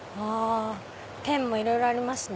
ペンもいろいろありますね。